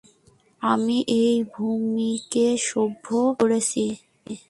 আমি এই ভুমিকে সভ্য করেছি।